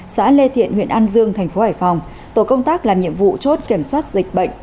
xã lê thiện huyện an dương tp hcm tổ công tác làm nhiệm vụ chốt kiểm soát dịch bệnh